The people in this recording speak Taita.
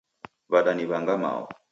Wadaniw'anga mao.